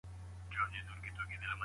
انټي بیوټیکونه ولي بې ځایه کارول کیږي؟